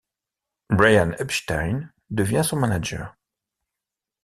Brian Epstein devient son manager.